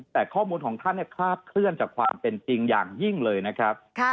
แต่ข้อมูลของท่านคลาดเคลื่อนจากความเป็นจริงอย่างยิ่งเลยนะครับ